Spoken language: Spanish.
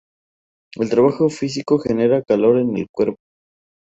El trabajo físico genera calor en el cuerpo.